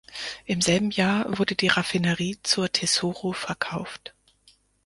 Im selben Jahr wurde die Raffinerie zur Tesoro verkauft.